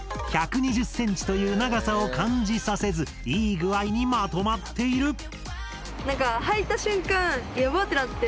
１２０ｃｍという長さを感じさせずいい具合にまとまっている！